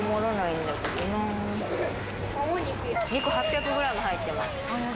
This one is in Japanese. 肉８００グラム入ってます。